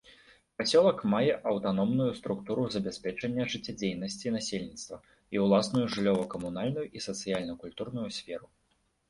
Пасёлак мае аўтаномную структуру забеспячэння жыццядзейнасці насельніцтва і ўласную жыллёва-камунальную і сацыяльна-культурную сферу.